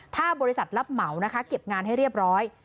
ถ้าบริษัทรับเหมานะคะเก็บงานให้เรียบร้อย